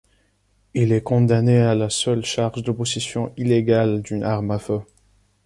Il est condamné à la seule charge de possession illégale d'une arme à feu.